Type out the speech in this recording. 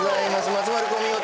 松丸君お見事。